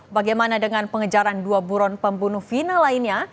bagaimana dengan pengejaran dua buron pembunuh final lainnya